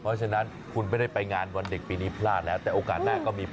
เพราะฉะนั้นคุณไม่ได้ไปงานวันเด็กปีนี้พลาดแล้วแต่โอกาสแรกก็มี